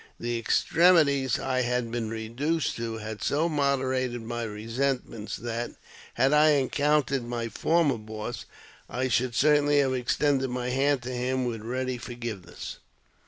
The extremities I had been reduced to had so moderated my resentments that, had I encountered my former boss, I should certainly have extended my hand to him with ready forgiveness.